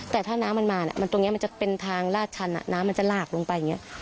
แต่ถ้าน้ำมันมาตรงนี้มันจะเป็นทางลาดชันน้ำมันจะหลากลงไปอย่างนี้